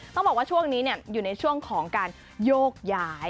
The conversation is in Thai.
ต้องบอกว่าช่วงนี้อยู่ในช่วงของการโยกย้าย